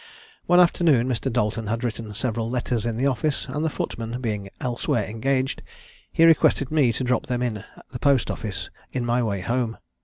One afternoon Mr. Dalton had written several letters in the office, and the footman being elsewhere engaged, he requested me to drop them in the post office in my way home.